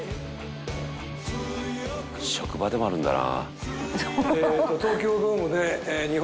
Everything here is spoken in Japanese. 「職場でもあるんだな」